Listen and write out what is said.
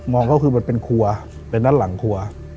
องก็คือมันเป็นครัวเป็นด้านหลังครัว